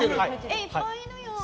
え、いっぱいいるよ。